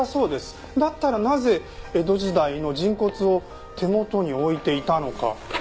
だったらなぜ江戸時代の人骨を手元に置いていたのか。